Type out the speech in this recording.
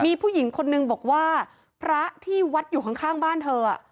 มีผู้หญิงคนนึงบอกว่าพระที่วัดอยู่ข้างบ้านเธอ